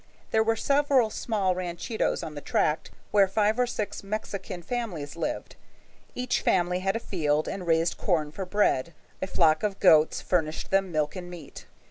There were several small ranchitos on the tract, where five or six Mexican families lived. Each family had a field and raised corn for bread. A flock of goats furnished them milk and meat.